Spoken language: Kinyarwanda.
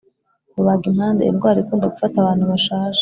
rubagimpande: indwara ikunda gufata abantu bashaje.